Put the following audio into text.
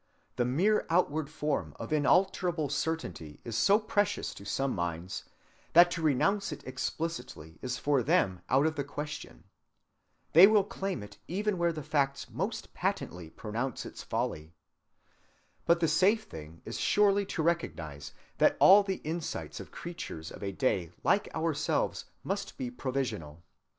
The mere outward form of inalterable certainty is so precious to some minds that to renounce it explicitly is for them out of the question. They will claim it even where the facts most patently pronounce its folly. But the safe thing is surely to recognize that all the insights of creatures of a day like ourselves must be provisional.